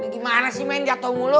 gimana sih main di aik to shift mulu